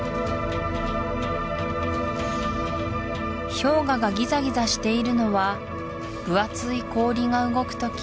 氷河がギザギザしているのは分厚い氷が動くとき